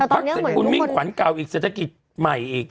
แต่ตอนเนี้ยเหมือนคุณมีขวัญเก่าอีกเศรษฐกิจใหม่อีกเออ